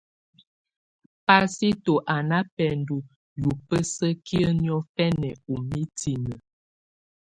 Pasito à nà bɛndɔ̀ yùbǝ́sǝkiǝ́ niɔfɛ̀nɛ ù mitinǝ.